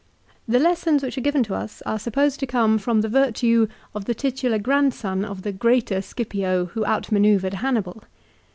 The lessons which are given to us are supposed to come from the virtue of the titular grandson of the greater Scipio who outmanoeuvred Hannibal.